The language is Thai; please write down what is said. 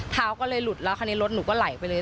เท้าก็เลยหลุดแล้วคราวนี้รถหนูก็ไหลไปเลย